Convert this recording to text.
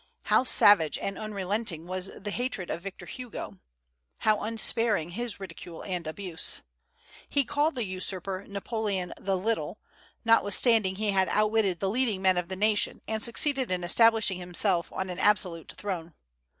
How savage and unrelenting was the hatred of Victor Hugo! How unsparing his ridicule and abuse! He called the usurper "Napoleon the Little," notwithstanding he had outwitted the leading men of the nation and succeeded in establishing himself on an absolute throne.